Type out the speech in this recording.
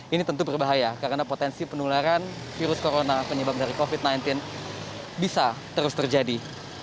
ini tentu berbahaya karena potensi penularan virus corona penyebab dari covid sembilan belas bisa terus terjadi